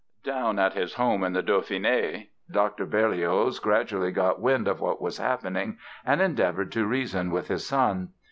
Down at his home in the Dauphiné Dr. Berlioz gradually got wind of what was happening and endeavored to reason with his son.